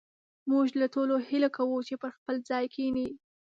موږ له ټولو هيله کوو چې پر خپل ځاى کښېنئ